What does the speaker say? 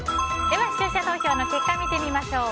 視聴者投票の結果を見てみましょう。